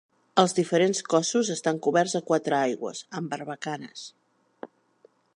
Els diferents cossos estan coberts a quatre aigües, amb barbacanes.